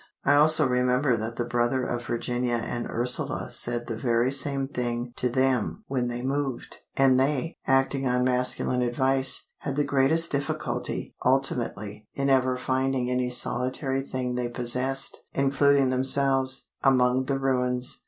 I also remember that the brother of Virginia and Ursula said the very same thing to them when they moved, and they, acting on masculine advice, had the greatest difficulty, ultimately, in ever finding any solitary thing they possessed (including themselves) among the ruins.